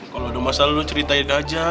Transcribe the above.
kalau ada masalah lo ceritain aja